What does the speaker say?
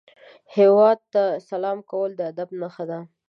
هیواد ته سلام کول د ادب نښه ده